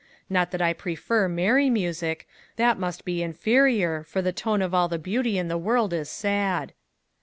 Not that I prefer merry music; that must be inferior, for the tone of all the beauty in the world is sad."